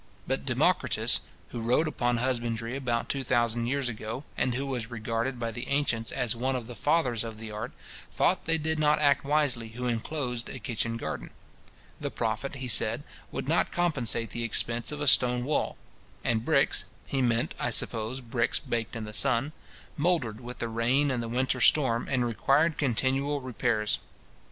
But Democritus, who wrote upon husbandry about two thousand years ago, and who was regarded by the ancients as one of the fathers of the art, thought they did not act wisely who inclosed a kitchen garden. The profit, he said, would not compensate the expense of a stone wall: and bricks (he meant, I suppose, bricks baked in the sun) mouldered with the rain and the winter storm, and required continual repairs.